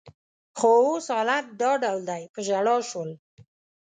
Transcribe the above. خو اوس حالت دا ډول دی، په ژړا شول.